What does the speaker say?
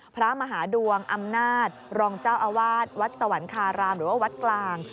พระมหาดวงอำนาจรองเจ้าอาวาสวัดสวรรคารามหรือว่าวัดกลาง